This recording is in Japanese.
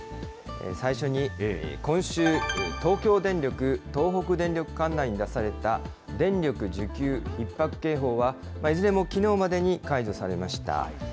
最初に今週、東京電力、東北電力管内に出された電力需給ひっ迫警報はいずれもきのうまでに解除されました。